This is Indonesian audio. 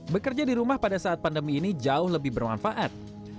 bekerja di rumah pada saat pandemi ini jauh lebih bermanfaat